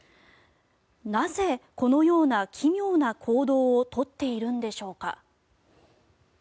なぜ、このような奇妙な行動を取っているんでしょうか。